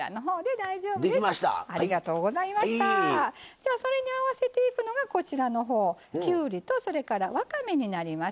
じゃあそれに合わせていくのがこちらの方きゅうりとそれからわかめになります。